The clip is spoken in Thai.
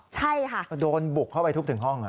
ใช่ค่ะก็โดนบุกเข้าไปทุบถึงห้อง